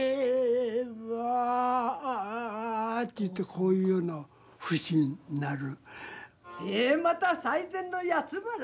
こういうような節になる。